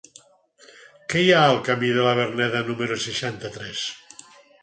Què hi ha al camí de la Verneda número seixanta-tres?